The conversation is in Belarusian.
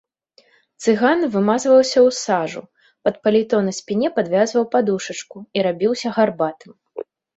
Цыган вымазваўся ў сажу, пад паліто на спіне падвязваў падушачку і рабіўся гарбатым.